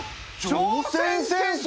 朝鮮戦争！？